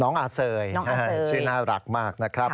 อาเซยชื่อน่ารักมากนะครับ